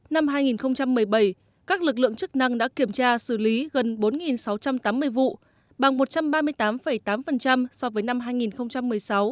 năm hai nghìn một mươi bảy các lực lượng chức năng đã kiểm tra xử lý gần bốn sáu trăm tám mươi vụ bằng một trăm ba mươi tám tám so với năm hai nghìn một mươi sáu